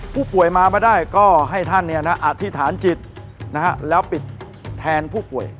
ผู้ป่วยมามาได้ก็ให้ท่านอธิษฐานจิตแล้วปิดแทนผู้ป่วย